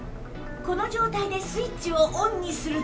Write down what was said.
この状態でスイッチをオンにすると